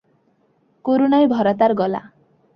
করুণায় ভরা তার গলা।